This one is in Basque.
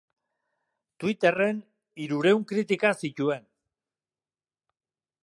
Twitterren hirurehun kritika zituen.